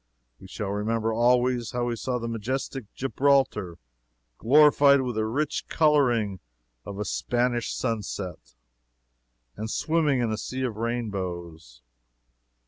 We shall remember, always, how we saw majestic Gibraltar glorified with the rich coloring of a Spanish sunset and swimming in a sea of rainbows.